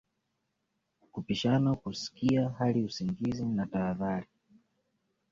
Kupishana Kusikia hali usingizi na tahadhari